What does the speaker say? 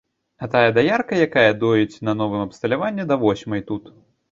А тая даярка, якая доіць на новым абсталяванні, да восьмай тут.